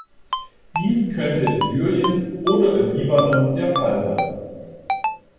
Dies könnte in Syrien oder im Libanon der Fall sein.